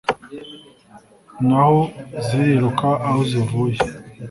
Naho ziriruka aho zivuye